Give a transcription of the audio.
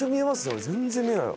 俺全然見えない。